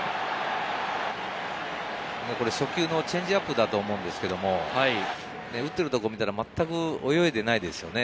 初球のチェンジアップだと思うんですけど、打ってるところを見たら、まったく泳いでいないですよね。